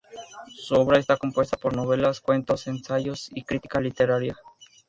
Su obra está compuesta por novelas, cuentos, ensayos y crítica literaria.